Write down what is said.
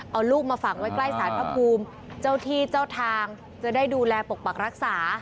เอาลูกมาฝังไว้ใกล้สารพระภูมิเจ้าที่เจ้าทางจะได้ดูแลปกปักรักษา